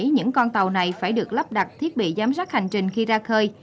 những con tàu này phải được lắp đặt thiết bị giám sát hành trình khi ra khơi